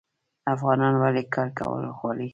افغانان ولې کار کول غواړي؟